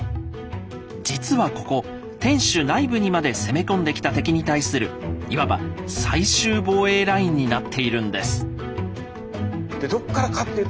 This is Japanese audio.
実はここ天守内部にまで攻め込んできた敵に対するいわば最終防衛ラインになっているんです。